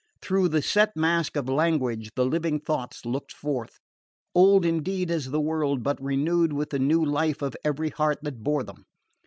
Through the set mask of language the living thoughts looked forth, old indeed as the world, but renewed with the new life of every heart that bore them.